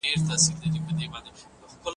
د څيړني پر مهال روماني اسلوب مه کاروئ.